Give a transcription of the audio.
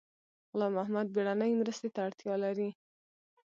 غلام محد بیړنۍ مرستې ته اړتیا لري